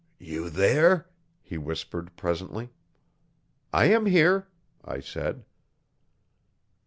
'You there?' he whispered presently. 'I am here,' I said.